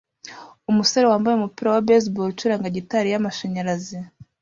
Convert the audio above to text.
Umusore wambaye umupira wa baseball acuranga gitari yamashanyarazi